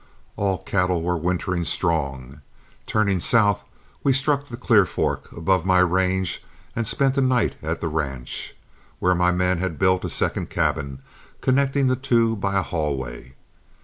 All cattle were wintering strong. Turning south, we struck the Clear Fork above my range and spent a night at the ranch, where my men had built a second cabin, connecting the two by a hallway.